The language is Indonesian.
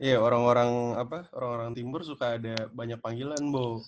ya orang orang apa orang orang timur suka ada banyak panggilan bu